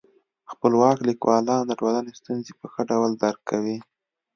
خپلواک لیکوالان د ټولني ستونزي په ښه ډول درک کوي.